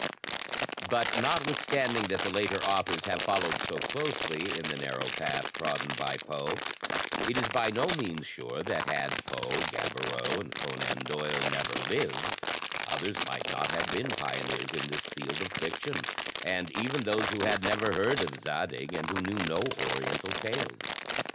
But notwithstanding that the later authors have followed so closely in the narrow path trodden by Poe, it is by no means sure that had Poe, Gaboriau and Conan Doyle never lived, others might not have been pioneers in this field of fiction, and even those who had never heard of Zadig and who knew no Oriental tales.